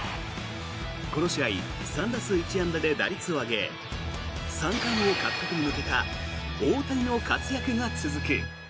この試合３打数１安打で打率を上げ三冠王獲得に向けた大谷の活躍が続く。